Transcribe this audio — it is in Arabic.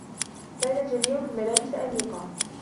كان الجميع بملابس أنيقة.